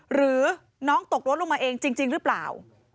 หรือน้องตกรถลงมาเองจริงหรือเปล่า